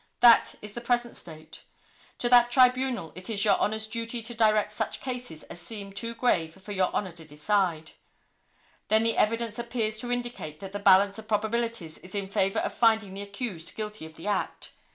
That is the present state. To that tribunal it is Your Honor's duty to direct such cases as seem too grave for Your Honor to decide. Then the evidence appears to indicate that the balance of probabilities is in favor of finding the accursed guilty of the act.